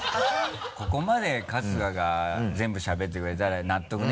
ここまで春日が全部しゃべってくれたら納得ね？